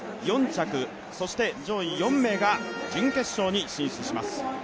４着、そして上位４名が準決勝に進出します。